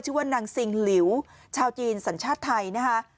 ชื่อว่านางซิงหลิวชาวจีนสัญชาติไทยนะคะ